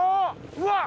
うわっ！